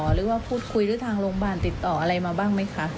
หรือว่าพูดคุยหรือทางโรงพยาบาลติดต่ออะไรมาบ้างไหมคะ